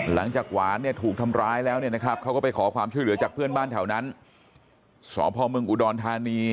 หลังจากหวานเนี่ยถูกทำร้ายแล้วเนี่ยนะครับเขาก็ไปขอความช่วยเหลือจากเพื่อนบ้านแถวนั้นสพมอุดรธานี